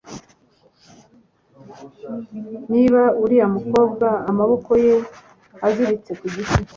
reba uriya mukobwa amaboko ye aziritse kugiti